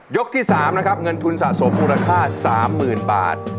ที่๓นะครับเงินทุนสะสมมูลค่า๓๐๐๐บาท